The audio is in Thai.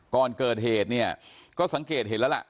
ก่อนเกิดเหตุเนี่ยก็สังเกตเห็นแล้วล่ะ